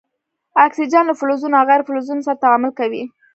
اکسیجن له فلزونو او غیر فلزونو سره تعامل کوي.